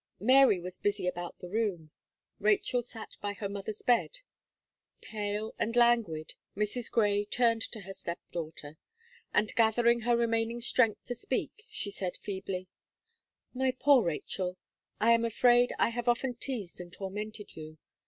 Mary was busy about the room. Rachel sat by her mother's bed. Pale and languid, Mrs. Gray turned to her step daughter, and gathering her remaining strength to speak, she said feebly: "My poor Rachel, I am afraid I have often teazed and tormented you.